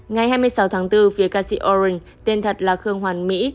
ngày hai mươi sáu tháng bốn phía ca sĩ orange tên thật là khương hoàn mỹ